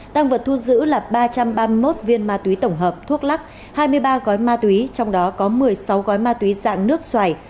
tăng vật thu giữ là ba trăm ba mươi một viên ma túy tổng hợp thuốc lắc hai mươi ba gói ma túy trong đó có một mươi sáu gói ma túy dạng nước xoài